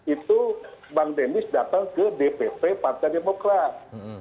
itu bank demi datang ke dpp partai demokrat